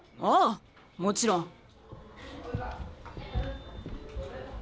ああもちろん。